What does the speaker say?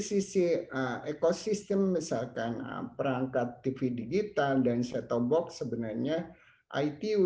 sisi ecosystem misalkan perangkat tv digital dan setup box sebenarnya itv dua ribu lima belas sudah hai topik oh